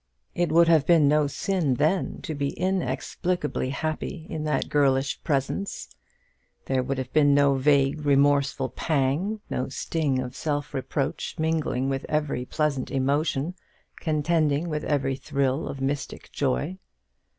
It would have been no sin then to be inexplicably happy in that girlish presence; there would have been no vague remorseful pang, no sting of self reproach, mingling with every pleasant emotion, contending with every thrill of mystic joy.